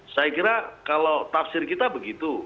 saya kira kalau tafsir kita begitu